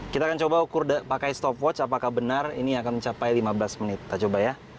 kita akan coba ukur pakai stop watch apakah benar ini akan mencapai lima belas menit kita coba ya